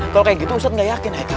kalau kayak gitu ustaz gak yakin haikal